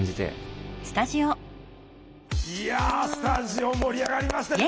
いやスタジオ盛り上がりましたね。